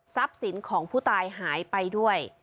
ทรัพย์สินของผู้ตายหายไปด้วย